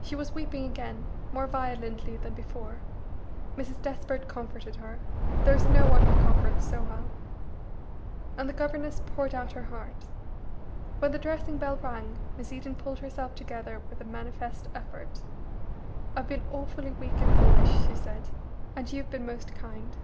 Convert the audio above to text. She was weeping again, more violently than before; Mrs. Despard comforted her there is no one who comforts so well and the governess poured out her heart. When the dressing bell rang Miss Eden pulled herself together with a manifest effort. "I've been awfully weak and foolish," she said, "and you've been most kind.